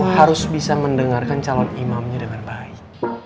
harus bisa mendengarkan calon imamnya dengan baik